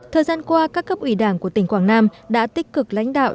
thời gian qua các cấp ủy đảng của tỉnh quảng nam đã tích cực lãnh đạo